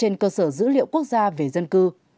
và cũng được cập nhật trên cơ sở dữ liệu quốc gia về dân cư